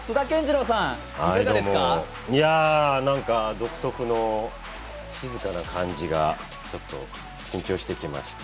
独特の静かな感じがちょっと緊張してきました。